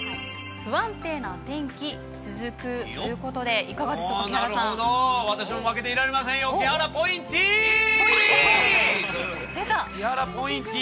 不安定なお天気続くということで、なるほど、私も負けていられませんよ、木原ポインティー。